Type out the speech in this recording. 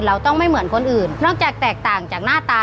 เราต้องไม่เหมือนคนอื่นนอกจากแตกต่างจากหน้าตา